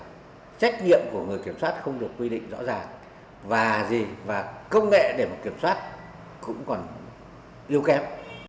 trách nhiệm của người kiểm soát không được quy định rõ ràng và công nghệ để kiểm soát cũng còn yêu kém